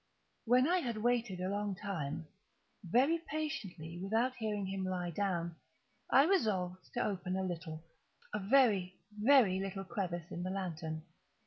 When I had waited a long time, very patiently, without hearing him lie down, I resolved to open a little—a very, very little crevice in the lantern.